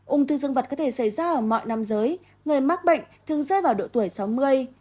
ung thư dương vật có thể xảy ra ở mọi nam giới người mắc bệnh thường rơi vào độ tuổi sáu mươi